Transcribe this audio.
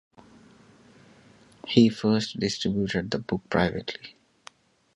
He first distributed the book privately.